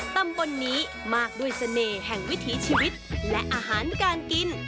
ตำบลนี้มากด้วยเสน่ห์แห่งวิถีชีวิตและอาหารการกิน